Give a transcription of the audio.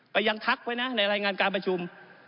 ยังทักไว้นะในรายงานการประชุม